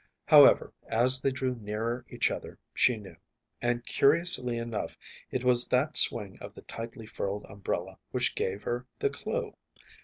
However, as they drew nearer each other, she knew; and curiously enough it was that swing of the tightly furled umbrella which gave her the clue.